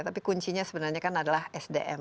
tapi kuncinya sebenarnya kan adalah sdm